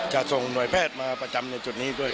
จะส่งหน่วยแพทย์มาประจำในจุดนี้ด้วย